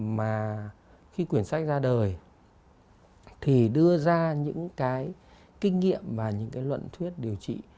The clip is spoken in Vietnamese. mà khi quyển sách ra đời thì đưa ra những cái kinh nghiệm và những cái luận thuyết điều trị